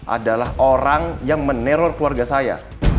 adalah orang yang meneror keluarga saya